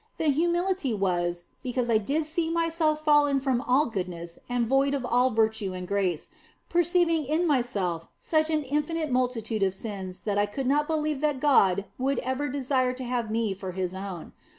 The humility was because I did see myself fallen from all goodness and void of all virtue and grace, perceiving in myself such an infinite multitude of sins that I could not believe that God would ever desire to have me for His own.